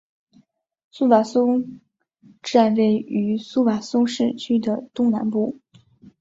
苏瓦松站位于苏瓦松市区的东南部。